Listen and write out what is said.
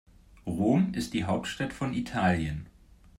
Rom ist die Hauptstadt von Italien.